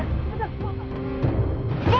kalian tempatnya si botak ya